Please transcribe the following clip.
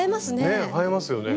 ねっ映えますよね。